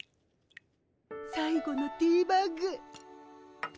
最後のティーバッグ。